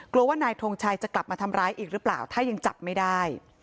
ว่านายทงชัยจะกลับมาทำร้ายอีกหรือเปล่าถ้ายังจับไม่ได้